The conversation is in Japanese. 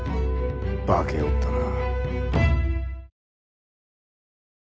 化けおったな。